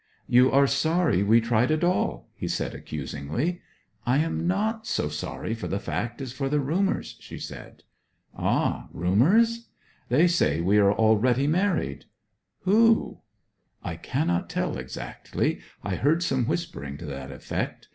'You are sorry we tried at all!' he said accusingly. 'I am not so sorry for the fact as for the rumours,' she said. 'Ah! rumours?' 'They say we are already married.' 'Who?' 'I cannot tell exactly. I heard some whispering to that effect.